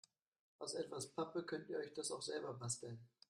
Aus etwas Pappe könnt ihr euch das auch selber basteln.